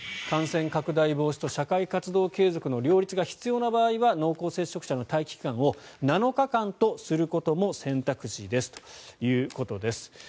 感染拡大防止と社会活動継続の両立が必要な場合は濃厚接触者の待機期間を７日間とすることも選択肢ですということです。